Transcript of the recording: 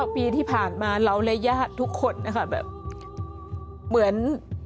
๙ปีที่ผ่านมาเราและญาติทุกคน